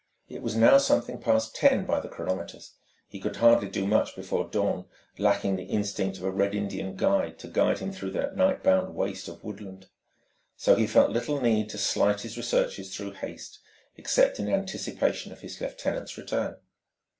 It was now something past ten by the chronometers. He could hardly do much before dawn, lacking the instinct of a red Indian to guide him through that night bound waste of woodland. So he felt little need to slight his researches through haste, except in anticipation of his lieutenant's return.